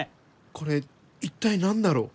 これ一体何だろう？